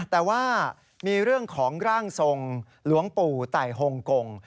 แต่ว่ามีเรื่องของร่างทรงหลวงปู่ไต่ฮงกง